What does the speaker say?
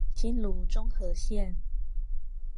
新蘆中和線